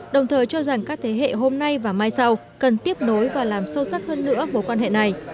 đồng thời cho rằng các thế hệ hôm nay và mai sau cần tiếp nối và làm sâu sắc hơn nữa mối quan hệ này